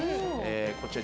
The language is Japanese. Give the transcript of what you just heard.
こちら